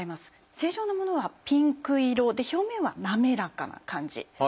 正常なものはピンク色で表面は滑らかな感じ。